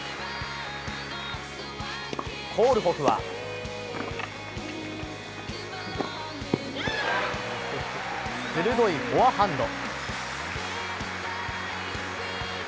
コールホフは鋭いフォアハンド。